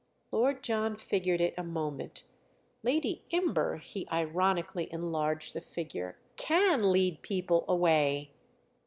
Lord John figured it a moment. "Lady Imber"—he ironically enlarged the figure—"can lead people away."